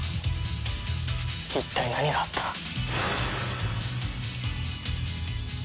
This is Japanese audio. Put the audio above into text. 一体何があった？